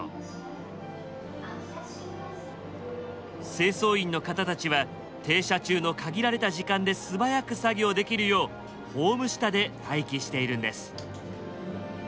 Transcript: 清掃員の方たちは停車中の限られた時間で素早く作業できるようホーム下で待機しているんです。